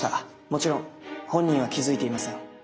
もちろん本人は気付いていません。